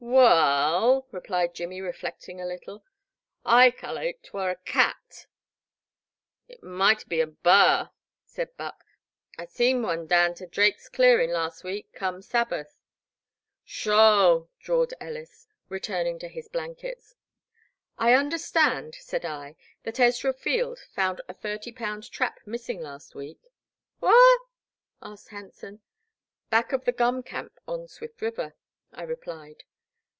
i66 The Black Water. *'Waal," replied Jimmy reflecting a little, "I cal*late t 'war a cat." It maught be a Var,*' said Buck, I seed one daown to Drake's dearin' last week come Sab bath." '* Sho !*' drawled Ellis, returning to his blankets. *'I understand," said I, "that Ezra Field found a thirty pound trap missing last week." Whar ?" asked Hanson. Back of the gum camp on Swift River," I replied.